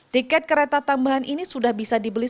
tiket kereta tambahan ini sudah bisa dibeli